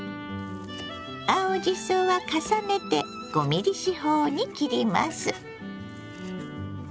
青じそは重ねて５ｍｍ四方に切ります。